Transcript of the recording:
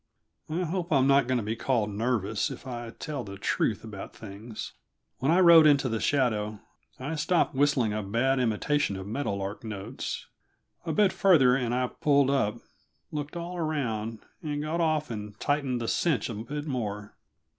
I hope I am not going to be called nervous if I tell the truth about things; when I rode into the shadow I stopped whistling a bad imitation of meadow lark notes. A bit farther and I pulled up, looked all around, and got off and tightened the cinch a bit more.